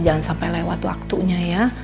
jangan sampai lewat waktunya ya